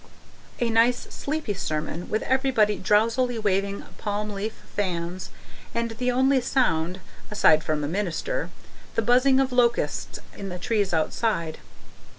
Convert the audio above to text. A nice sleepy sermon with everybody drowsily waving palm leaf fans, and the only sound, aside from the minister, the buzzing of locusts in the trees outside.